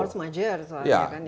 ini force majeur soalnya kan ya